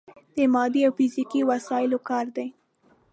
د مادي او فزیکي وسايلو کار دی.